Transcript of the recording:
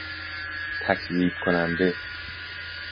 تکذیب کننده